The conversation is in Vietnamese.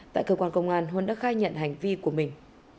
tại cơ quan công an huân đã khai nhận hành vi của mình